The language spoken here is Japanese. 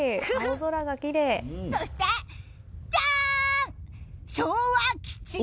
そして、じゃーん！